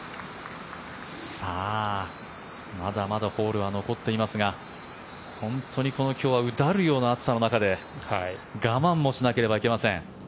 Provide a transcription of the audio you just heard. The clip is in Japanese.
まだまだホールは残っていますが本当に今日はうだるような暑さの中で我慢もしなければいけません。